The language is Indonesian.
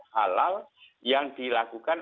halal yang dilakukan